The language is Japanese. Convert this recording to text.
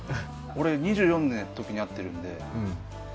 俺２４の時に会ってるんで。